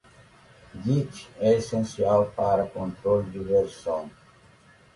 Git é essencial para controle de versão.